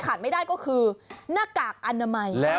ไม่ได้ก็คือหน้ากากอนามัย